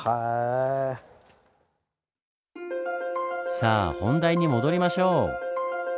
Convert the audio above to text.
さあ本題に戻りましょう！